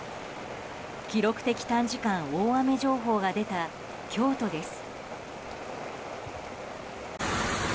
記録的短時間大雨情報が出た京都です。